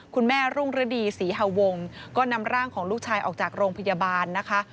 คุณแม่รุ่งฤดีศรีฮาวงก็นำร่างของลูกชายออกจากโรงพยาบาลนะคะ